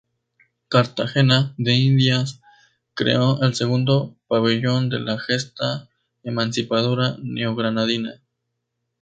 Cartagena de Indias creó el segundo pabellón de la gesta emancipadora neogranadina.